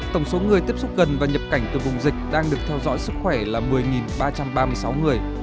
tổng số người tiếp xúc gần và nhập cảnh từ vùng dịch đang được theo dõi sức khỏe là một mươi ba trăm ba mươi sáu người